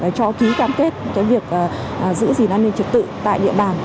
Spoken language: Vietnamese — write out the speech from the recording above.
để cho ký cam kết cho việc giữ gìn an ninh trật tự tại địa bàn